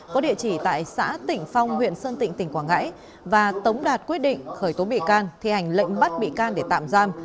có địa chỉ tại xã tỉnh phong huyện sơn tịnh tỉnh quảng ngãi và tống đạt quyết định khởi tố bị can thi hành lệnh bắt bị can để tạm giam